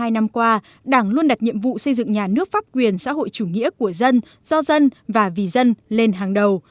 hai mươi năm qua đảng luôn đặt nhiệm vụ xây dựng nhà nước pháp quyền xã hội chủ nghĩa của dân do dân và vì dân lên hàng đầu